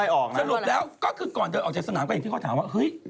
ยิงกระบาลเหรอสรุปแล้วก็คือก่อนเดินออกจากสนามก็เห็นที่เขาถามว่าเฮ้ย